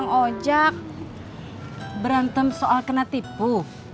kojak berantem soal kena tipu